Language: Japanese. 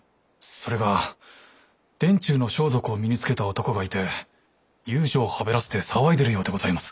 それが殿中の装束を身に着けた男がいて遊女をはべらせて騒いでいるようでございます。